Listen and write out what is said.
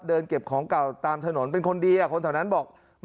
เดินเก็บของเก่าตามถนนเป็นคนดีคนแถวนั้นบอก